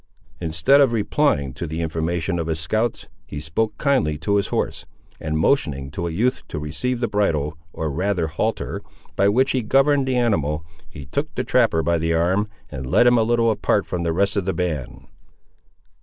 Instead of replying to the information of his scouts, he spoke kindly to his horse, and motioning to a youth to receive the bridle, or rather halter, by which he governed the animal, he took the trapper by the arm, and led him a little apart from the rest of the band.